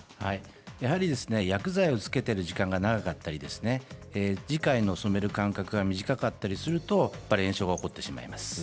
薬剤を付けている時間が長かったり染める間隔が短かったりすると炎症が起こってしまいます。